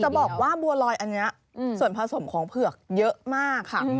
จะบอกว่าบัวลอยอันนี้ส่วนผสมของเผือกเยอะมากค่ะ